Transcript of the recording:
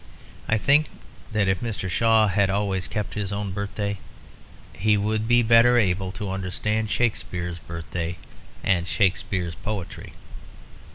I think that if Mr. Shaw had always kept his own birthday he would be better able to understand Shakespeare's birthday and Shakespeare's poetry.